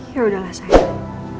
ya udahlah sayang